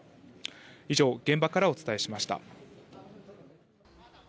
以上、現場からお伝えしました。